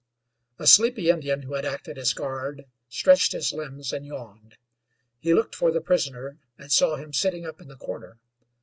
A sleepy Indian who had acted as guard stretched his limbs and yawned. He looked for the prisoner, and saw him sitting up in the corner.